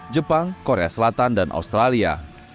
jepang korea selatan dan australia